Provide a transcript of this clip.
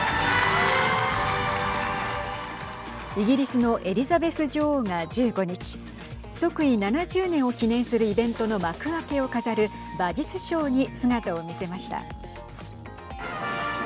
イギリスのエリザベス女王が１５日即位７０年を記念するイベントの幕開けを飾る馬術ショーに姿を見せました。